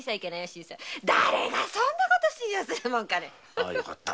ああよかった。